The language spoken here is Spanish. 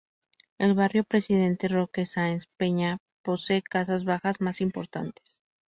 El Barrio Presidente Roque Saenz Peña posee casas bajas más importantes.